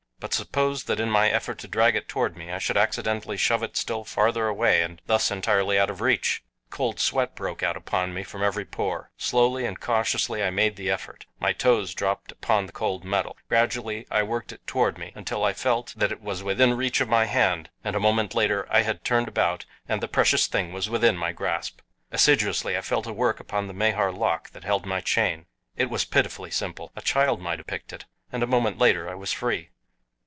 But suppose that in my effort to drag it toward me I should accidentally shove it still farther away and thus entirely out of reach! Cold sweat broke out upon me from every pore. Slowly and cautiously I made the effort. My toes dropped upon the cold metal. Gradually I worked it toward me until I felt that it was within reach of my hand and a moment later I had turned about and the precious thing was in my grasp. Assiduously I fell to work upon the Mahar lock that held my chain. It was pitifully simple. A child might have picked it, and a moment later I was free.